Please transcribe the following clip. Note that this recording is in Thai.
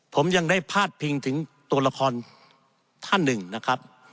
ผมยังได้พาดพิงถึงตัวละครท่านหนึ่งนะครับ